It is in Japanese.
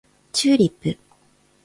チューリップ